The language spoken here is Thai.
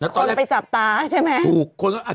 คนไปจับตาใช่ไหม